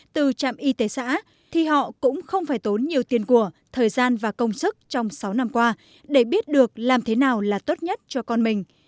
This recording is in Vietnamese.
từ trạm y tế xã thì họ cũng không phải tốn nhiều tiền của thời gian và công sức trong sáu năm qua để biết được làm thế nào là tốt nhất cho con mình